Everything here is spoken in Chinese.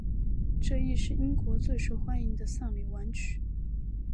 这亦是英国最受欢迎的丧礼挽曲。